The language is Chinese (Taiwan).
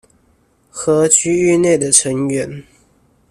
和區域內的成員